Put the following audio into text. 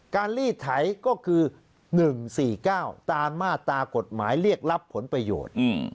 ลีดไถก็คือ๑๔๙ตามมาตรากฎหมายเรียกรับผลประโยชน์